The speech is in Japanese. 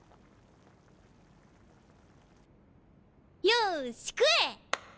よし食え！